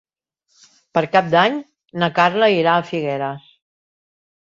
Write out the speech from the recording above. Per Cap d'Any na Carla irà a Figueres.